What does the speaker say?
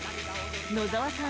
野沢さん